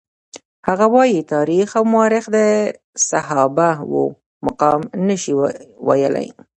هغه وايي تاریخ او مورخ د صحابه وو مقام نشي ویلای.